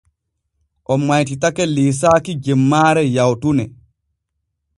O maytitake liisaaki jemmaare yawtune.